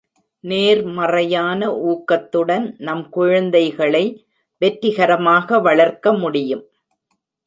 நேர்மறையான ஊக்கத்துடன், நம் குழந்தைகளை வெற்றிகரமாக வளர்க்க முடியும்.